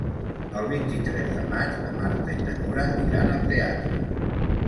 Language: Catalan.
El vint-i-tres de maig na Marta i na Nura iran al teatre.